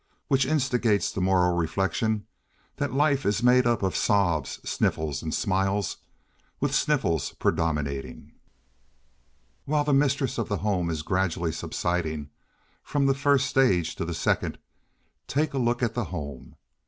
Which instigates the moral reflection that life is made up of sobs, sniffles, and smiles, with sniffles predominating. While the mistress of the home is gradually subsiding from the first stage to the second, take a look at the home.